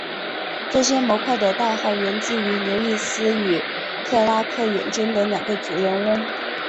这些模块的代号源自于刘易斯与克拉克远征的两个主人翁。